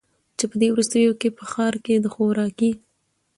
چي په دې وروستیو کي په ښار کي د خوراکي